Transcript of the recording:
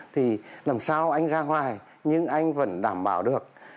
thì làm sao anh ra ngoài nhưng anh vẫn đảm bảo được